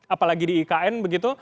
apalagi di ikn begitu